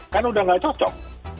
kan udah nggak cocok